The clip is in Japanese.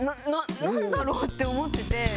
なんだろう？って思ってて。